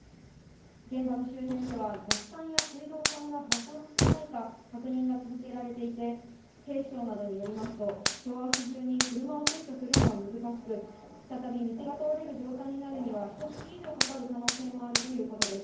現場の周辺ではガス管や水道管が破損していないか、確認が続けられていて、警視庁などによりますと、きょうあす中に車を撤去するのは難しく、再び道が通れる状態になるにはひとつき以上かかる可能性もあるということです。